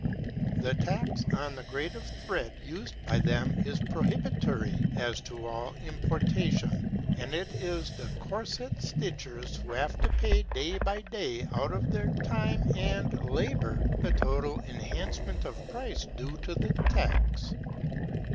The tax on the grade of thread used by them is prohibitory as to all importation, and it is the corset stitchers who have to pay day by day out of their time and labor the total enhancement of price due to the tax.